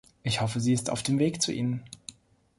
Ich hoffe, sie ist auf dem Weg zu Ihnen.